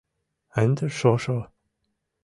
Ынде шошо!